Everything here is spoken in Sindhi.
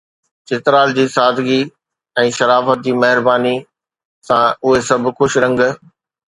چترال جي سادگي ۽ شرافت جي مهربانيءَ سان اهي سڀ خوش رنگ